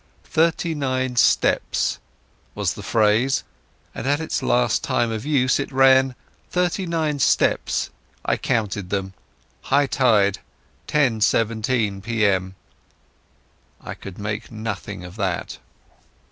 ("Thirty nine steps") was the phrase; and at its last time of use it ran—("Thirty nine steps, I counted them—high tide 10.17 p.m."). I could make nothing of that.